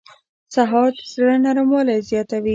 سهار د زړه نرموالی زیاتوي.